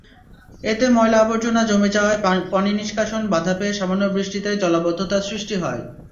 এতে ময়লা-আবর্জনা জমে যাওয়ায় পানিনিষ্কাশন বাধা পেয়ে সামান্য বৃষ্টিতেই জলাবদ্ধতার সৃষ্টি হয়।